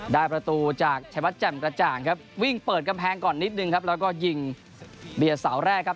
ได้ประตูจากชายวัดแจ่มกระจ่างครับวิ่งเปิดกำแพงก่อนนิดนึงครับแล้วก็ยิงเบียดเสาแรกครับ